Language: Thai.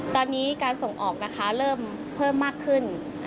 ตอนนี้การส่งออกนะคะเริ่มเพิ่มมากขึ้น